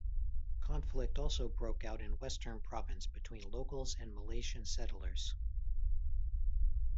Conflict also broke out in Western Province between locals and Malaitan settlers.